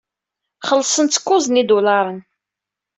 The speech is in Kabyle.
Xellṣent-t kuẓ n yidulaṛen.